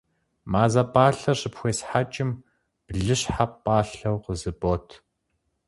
Мазэ пӏалъэр щыпхуесхьэкӏым, блыщхьэ пӏалъэу къызыбот.